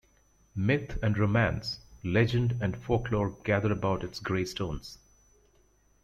Myth and romance, legend and folklore gather about its grey stones.